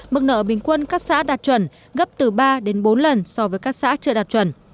mức nợ bình quân các xã đạt chuẩn gấp từ ba đến bốn lần so với các xã chưa đạt chuẩn